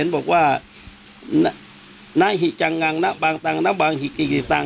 นันที่บางตอนนกขีดกิกิตังเตอร์ก็ถารองค์มาเล้ว้ึห้มเขี้ยวฐาน